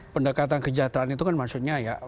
pendekatan kejahteraan itu kan maksudnya ya